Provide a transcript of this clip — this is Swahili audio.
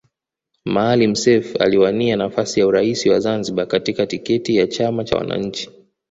Maalim Seif aliwania nafasi ya urais wa Zanzibari kwa tiketi ya chama cha wananchi